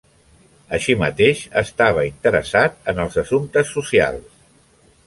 Així mateix, estava interessat en els assumptes socials.